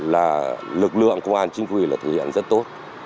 là lực lượng công an chính quy là thực hiện rất tốt